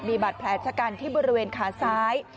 มีบาดแผลชะกันที่บริเวณขาซ้าย